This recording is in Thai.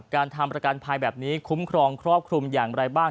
การทำประกันภัยแบบนี้คุ้มครองครอบคลุมอย่างไรบ้าง